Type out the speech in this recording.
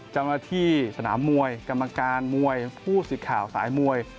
เจ้าหน้าที่สนามมวยกรรมการมวยผู้สิทธิ์ข่าวสายมวย